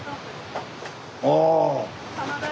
ああ。